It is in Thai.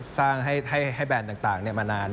สร้างให้แบรนด์ต่างมานาน